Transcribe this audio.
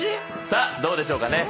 さあどうでしょうかね。